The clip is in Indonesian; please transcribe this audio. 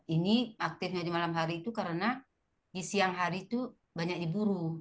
ini aktifnya di malam hari itu karena di siang hari itu banyak diburu